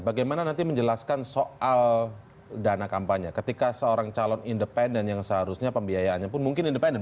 bagaimana nanti menjelaskan soal dana kampanye ketika seorang calon independen yang seharusnya pembiayaannya pun mungkin independen